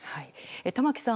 玉木さん